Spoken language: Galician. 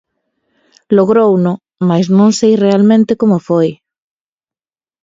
Logrouno, mais non sei realmente como foi.